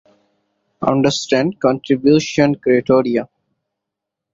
তাত্ত্বিক কম্পিউটার বিজ্ঞানের মধ্যে গণনা সম্পর্কিত বিচ্ছিন্ন গণিতের ক্ষেত্রগুলি অন্তর্ভুক্ত।